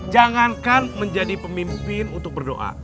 jangankan menjadi pemimpin untuk berdoa